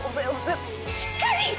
しっかり！